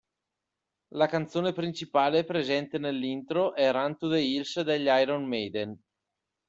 La canzone principale presente nell'intro è "Run to the Hills" degli Iron Maiden.